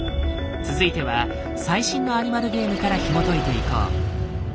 続いては最新のアニマルゲームからひもといていこう。